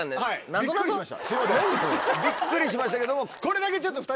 すいませんびっくりしましたけども。